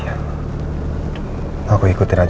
jangan lupa tidur patrick